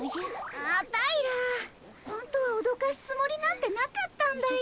アタイらほんとはおどかすつもりなんてなかったんだよ。